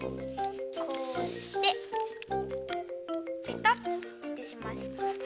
こうしてペタッてします。